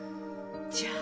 じゃあ？